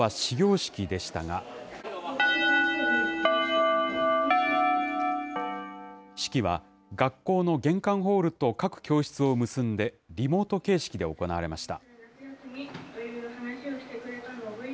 式は学校の玄関ホールと各教室を結んで、リモート形式で行われました。